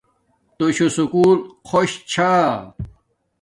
تُوشو سکُول خوش چھا